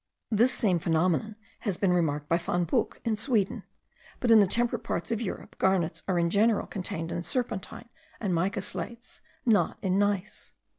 This same phenomenon has been remarked by Von Buch in Sweden; but in the temperate parts of Europe garnets are in general contained in serpentine and mica slates, not in gneiss.